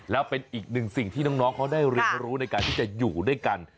แล้วเป็นอีกหนึ่งสิ่งที่น้องเขาได้เรียนรู้ในการที่จะอยู่ด้วยกัน